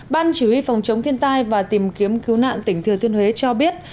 ban chỉ huy phòng chống thiên tai và tìm kiếm cứu nạn tỉnh thừa thiên huế cho biết